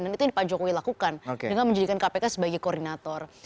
dan itu yang pak jokowi lakukan dengan menjadikan kpk sebagai koordinator